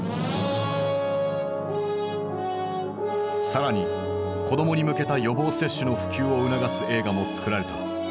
更に子供に向けた予防接種の普及を促す映画も作られた。